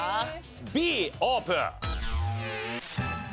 Ｂオープン。